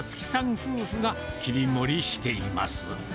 夫婦が切り盛りしています。